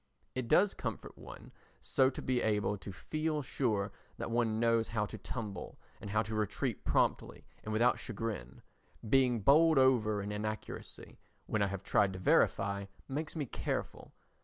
It does comfort one so to be able to feel sure that one knows how to tumble and how to retreat promptly and without chagrin. Being bowled over in inaccuracy, when I have tried to verify, makes me careful.